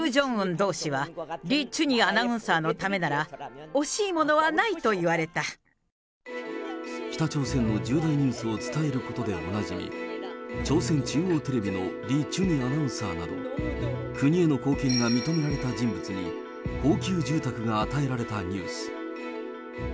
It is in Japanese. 同志は、リ・チュニアナウンサーのためなら、北朝鮮の重大放送を伝えることでおなじみ、朝鮮中央テレビのリ・チュニアナウンサーなど、国への貢献が認められた人物に高級住宅が与えられたニュース。